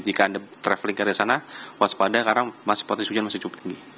jika anda traveling ke area sana waspada karena masih potensi hujan masih cukup tinggi